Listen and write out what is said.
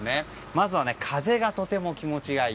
まずは風がとても気持ちがいい。